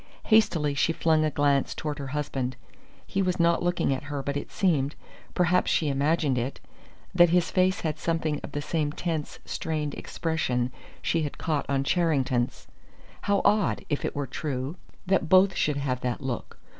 Hastily she flung a glance toward her husband. He was not looking at her, but it seemed perhaps she imagined it that his face had something of the same tense, strained expression she had caught on Charrington's. How odd, if it were true, that both should have that look.